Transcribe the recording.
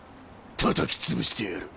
たたき潰してやる！